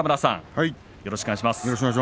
よろしくお願いします。